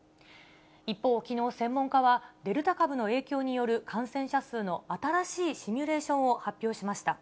一方、きのう、専門家は、デルタ株の影響による感染者数の新しいシミュレーションを発表しました。